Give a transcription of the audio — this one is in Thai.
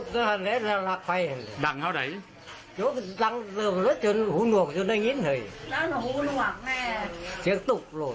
นั่นตานี่๓๙๐๐๐บาท